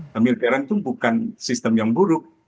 pemikiran itu bukan sistem yang buruk